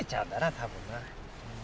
多分な。